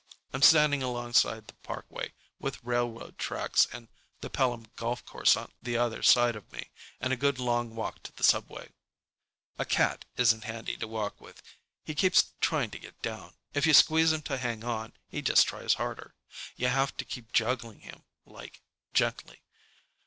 I'm standing alongside the parkway, with railroad tracks and the Pelham golf course on the other side of me, and a good long walk to the subway. A cat isn't handy to walk with. He keeps trying to get down. If you squeeze him to hang on, he just tries harder. You have to keep juggling him, like, gently.